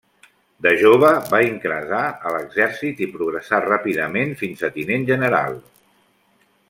De jove va ingressar a l'exèrcit i progressà ràpidament fins a tinent general.